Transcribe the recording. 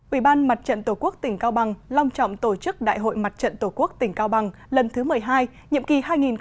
ủy ban mặt trận tổ quốc tỉnh cao bằng long trọng tổ chức đại hội mặt trận tổ quốc tỉnh cao bằng lần thứ một mươi hai nhiệm kỳ hai nghìn một mươi chín hai nghìn hai mươi bốn